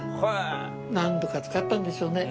何度か使ったんでしょうね